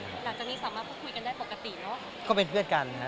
หลังจากนี้สามารถคุยกันได้ปกติเนอะ